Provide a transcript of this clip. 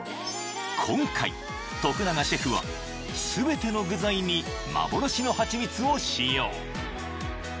［今回永シェフは全ての具材に幻のハチミツを使用］